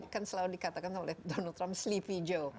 kan selalu dikatakan oleh donald trump sleepy joe